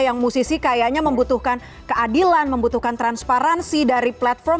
yang musisi kayaknya membutuhkan keadilan membutuhkan transparansi dari platform